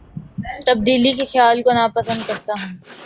تبدیلی کے خیال کو نا پسند کرتا ہوں